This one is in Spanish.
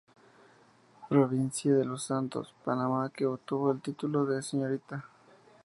Provincia de Los Santos, Panamá que obtuvo el título de Srta.